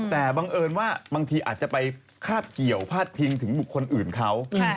แต่บังเอิญว่าบางทีอาจจะไปคาบเกี่ยวพาดพิงถึงบุคคลอื่นเขา